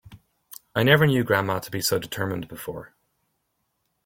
I never knew grandma to be so determined before.